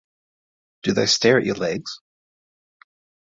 Do they stare at your legs?